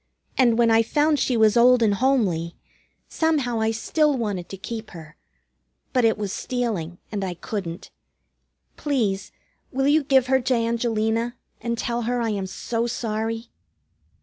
And when I found she was old and homely, somehow I still wanted to keep her. But it was stealing, and I couldn't. Please, will you give her to Angelina, and tell her I am so sorry?"